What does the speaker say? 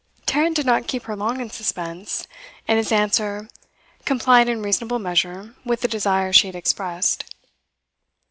Tarrant did not keep her long in suspense, and his answer complied in reasonable measure with the desire she had expressed.